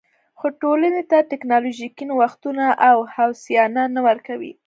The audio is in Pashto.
خو ټولنې ته ټکنالوژیکي نوښتونه او هوساینه نه ورکوي